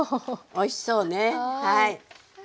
おいしそうね。